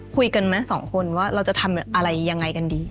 คุยกันไหมสองคนว่าเราจะทำอะไรยังไงกันดี